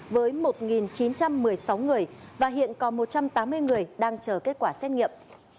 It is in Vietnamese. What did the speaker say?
với một chín trăm một mươi sáu người và hiện còn một trăm tám mươi người đang chờ kết quả xét nghiệm